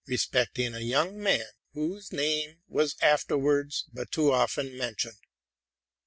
respecting a young man whose name was afterwards but too often mentioned.